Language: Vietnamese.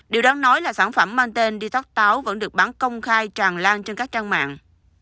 điều đáng nói là sản phẩm mang tên detox táo vẫn được bán công khai tràn lan trên các trang mạng